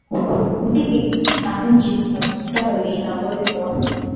mengi katika nchi zinazostawi yana uwezo wa